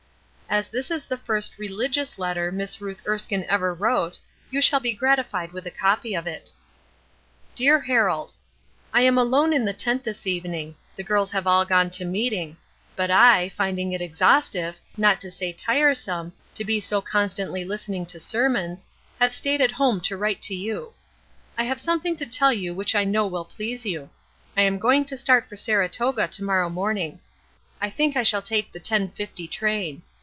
As this is the first religious letter Miss Ruth Erskine ever wrote, you shall be gratified with a copy of it: "DEAR HAROLD: "I am alone in the tent this evening the girls have all gone to meeting; but I, finding it exhaustive, not to say tiresome, to be so constantly listening to sermons, have staid at home to write to you. I have something to tell you which I know will please you. I am going to start for Saratoga to morrow morning. I think I shall take the 10:50 train.